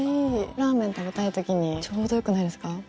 ラーメン食べたい時にちょうどよくないですか？